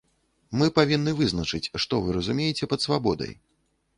Мы павінны вызначыць, што вы разумееце пад свабодай.